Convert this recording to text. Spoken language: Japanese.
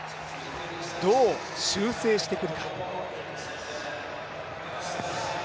どう修正してくるか。